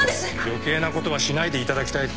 余計なことはしないでいただきたい。